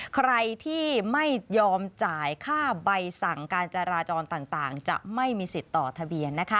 ใครที่ไม่ยอมจ่ายค่าใบสั่งการจราจรต่างจะไม่มีสิทธิ์ต่อทะเบียน